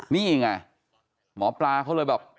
นี่ไงหมอปลาเขาเลยแบบ